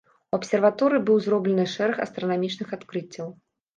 У абсерваторыі быў зроблены шэраг астранамічных адкрыццяў.